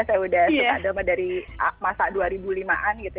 saya udah suka drama dari masa dua ribu lima an gitu